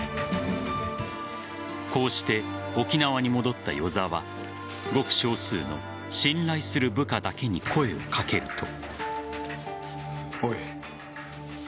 こうして、沖縄に戻った與座はごく少数の信頼する部下だけに声をかけると。